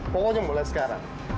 pokoknya mulai sekarang